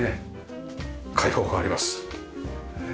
開放感あります。